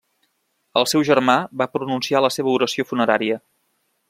El seu germà va pronunciar la seva oració funerària.